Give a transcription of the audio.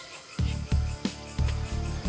ini udah ambil